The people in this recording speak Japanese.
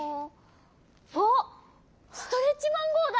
あっストレッチマンゴーだ！